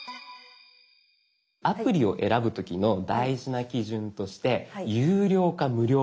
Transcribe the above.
アプリを選ぶ時の大事な基準として有料か無料か。